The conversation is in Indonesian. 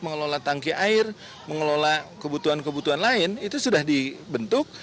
mengelola tangki air mengelola kebutuhan kebutuhan lain itu sudah dibentuk